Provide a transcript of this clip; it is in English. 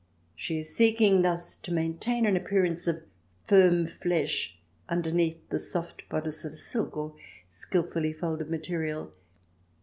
She is seeking thus to maintain an appear ance of firm flesh underneath the soft bodice of silk or skilfully folded material.